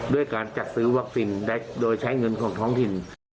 ด้วยการจัดซื้อวัคซีนโดยใช้เงินของท้องถิ่น